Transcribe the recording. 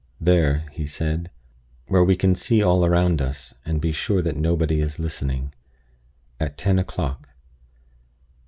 "There," he said, "where we can see all round us, and be sure that nobody is listening. At ten o'clock."